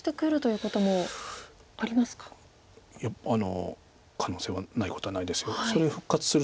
いや可能性はないことはないです。